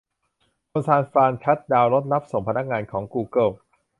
คนซานฟรานชัตดาวน์รถรับส่งพนักงานของกูเกิล